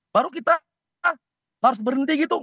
baru kita harus berhenti gitu